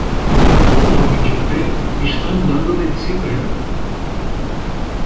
Um homem de preto está andando de bicicleta.